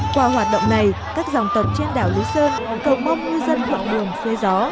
qua hoạt động này các dòng tập trên đảo lý sơn cầu mong người dân thuận đường phê gió